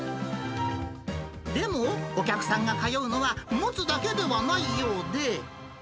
でもお客さんが通うのはもつだけではないようで。